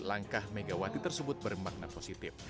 langkah megawati tersebut bermakna positif